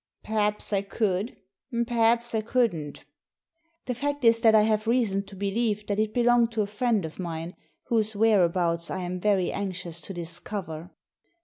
" Perhaps I could, and perhaps I couldn't" " The fact is that I have reason to believe that it belonged to a friend of mine, whose whereabouts I am very anxious to discover."